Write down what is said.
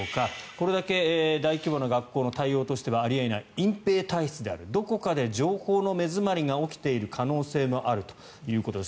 これだけ大規模な学校の対応としてはあり得ない隠ぺい体質であるどこかで情報の目詰まりが起きている可能性もあるということです。